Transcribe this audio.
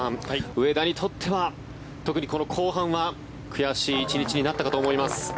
上田にとっては特にこの後半は悔しい１日になったかと思います。